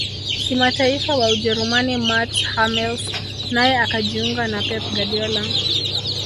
kimataifa wa ujerumani mats hummels naye akajiunga na pep guardiola